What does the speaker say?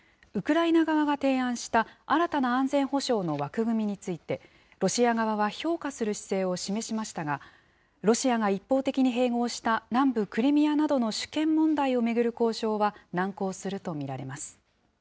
ウクライナ側が提案した新たな安全保障の枠組みについて、ロシア側は評価する姿勢を示しましたが、ロシアが一方的に併合した南部クリミアなどの主権問題を巡る交渉